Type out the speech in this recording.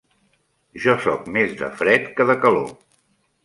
Jo soc més de fred que de calor.